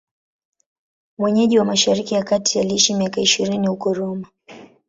Mwenyeji wa Mashariki ya Kati, aliishi miaka ishirini huko Roma.